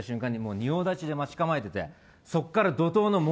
仁王立ちで待ち構えててなんで？